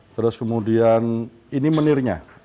terus kemudian ini mendirnya